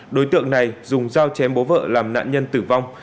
đối tượng này dùng dao chém bố vợ làm nạn nhân tử vong